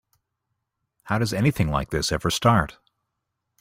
How does anything like this ever start?